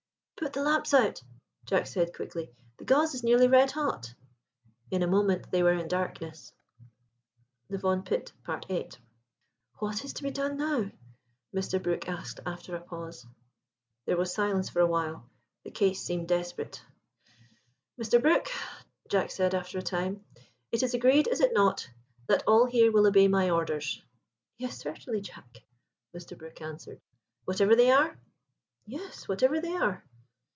"Put the lamps out," Jack said quickly; "the gauze is nearly red hot." In a moment they were in darkness. THE VAUGHAN PIT.—VIII. "What is to be done now?" Mr. Brook asked after a pause. There was silence for a while—the case seemed desperate. "Mr. Brook," Jack said after a time, "it is agreed, is it not, that all here will obey my orders?" "Yes, certainly, Jack," Mr. Brook answered. "Whatever they are?" "Yes, whatever they are."